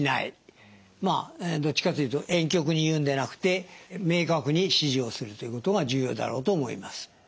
どっちかというとえん曲に言うんでなくて明確に指示をするということが重要だろうと思います。